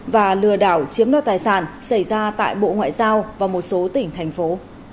và lừa đảo chiếm đoạt tài sản xảy ra tại bộ ngoại giao và một số tỉnh thành phố